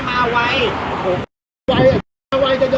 เมื่อ